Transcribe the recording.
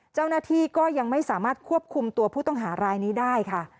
เจ้าหน้าที่ก็ยังไม่สามารถควบคุมตัวผู้ต้องหารายนี้ได้ค่ะ